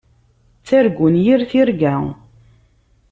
Ttargun yir tirga.